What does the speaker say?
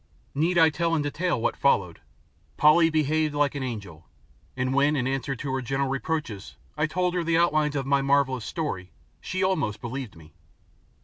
Need I tell in detail what followed? Polly behaved like an angel, and when in answer to her gentle reproaches I told her the outlines of my marvellous story she almost believed me!